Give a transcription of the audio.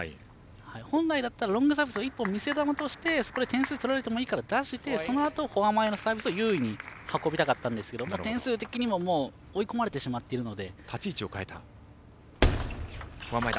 本来だったらロングサービス１本、見せ球としてそこで点数を取られてもいいから出してフォア前のサービスで優位に運びたかったんですけど点数的にも追い込まれてしまっているので。